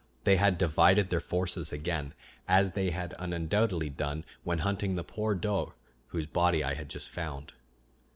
They had divided their forces again, as they had undoubtedly done when hunting the poor doe whose body I had just found.